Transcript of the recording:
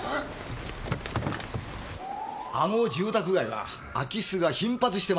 あの住宅街は空き巣が頻発してまして。